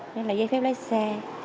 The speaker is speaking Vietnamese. với giấy phép lái xe